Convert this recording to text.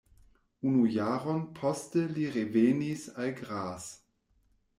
Unu jaron poste li revenis al Graz.